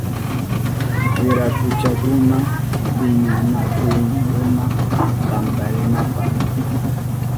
Wirakuchakunaka piñanakuhunkuna tantarinapi.